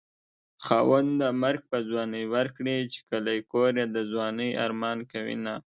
خاونده مرګ په ځوانۍ ورکړې چې کلی کور يې د ځوانۍ ارمان کوينه